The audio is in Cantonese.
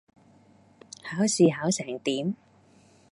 考試考成點?